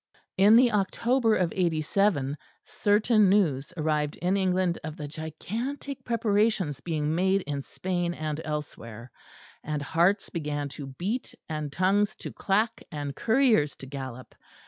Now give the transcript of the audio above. In the October of '87 certain news arrived in England of the gigantic preparations being made in Spain and elsewhere: and hearts began to beat, and tongues to clack, and couriers to gallop.